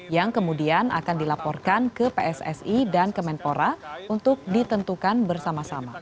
yang kemudian akan dilaporkan ke pssi dan kemenpora untuk ditentukan bersama sama